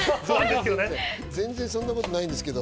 全然全然、そんなことないんですけど。